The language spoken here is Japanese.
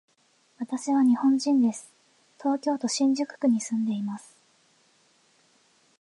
私は日本人です。東京都新宿区に住んでいます。